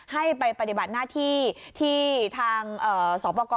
ให้ไปปฏิบัติหน้าที่ที่ทางสปกร